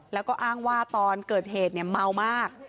แล้วก็อ้างว่าตอนเกิดเหตุเมามาก